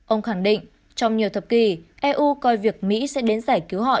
ông khẳng định trong nhiều thập kỷ eu coi việc mỹ sẽ đến giải cứu họ